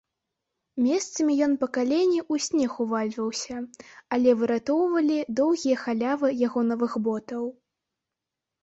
Месцамі ён па калені ў снег увальваўся, але выратоўвалі доўгія халявы яго новых ботаў.